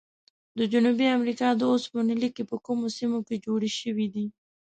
د جنوبي امریکا د اوسپنې لیکي په کومو سیمو کې جوړې شوي دي؟